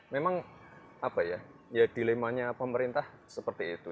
memang apa ya dilemanya pemerintah seperti itu